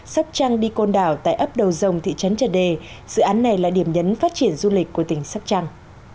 sắp trăng đi côn đảo tại ấp đầu rồng thị trấn trần đề dự án này là điểm nhấn phát triển du lịch của tỉnh sắp trăng